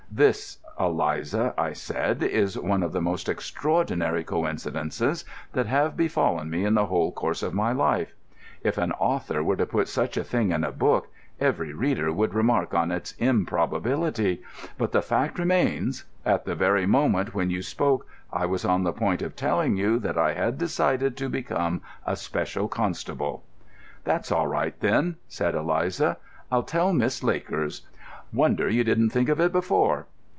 "This, Eliza," I said, "is one of the most extraordinary coincidences that have befallen me in the whole course of my life. If an author were to put such a thing in a book, every reader would remark on its improbability. But the fact remains—at the very moment when you spoke I was on the point of telling you that I had decided to become a special constable." "That's all right, then," said Eliza. "I'll tell Miss Lakers. Wonder you didn't think of it before.